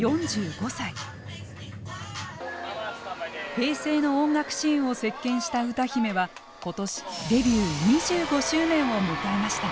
平成の音楽シーンを席巻した歌姫は今年デビュー２５周年を迎えました。